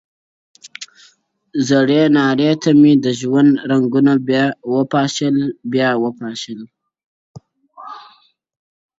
زړې نارې ته مو د ژوند رنګونه بیا وپاشل ـ بیا وپاشل